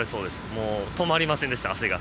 もう、止まりませんでした、汗が。